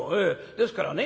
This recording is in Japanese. ですからね